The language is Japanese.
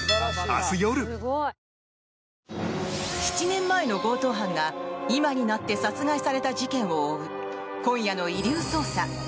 ７年前の強盗犯が今になって殺害された事件を追う今夜の「遺留捜査」。